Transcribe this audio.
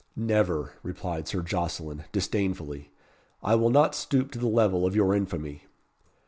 "Never," replied Sir Jocelyn, disdainfully. "I will not stoop to the level of your infamy."